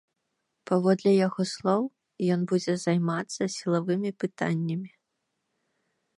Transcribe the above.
Паводле яго слоў, ён будзе займацца сілавымі пытаннямі.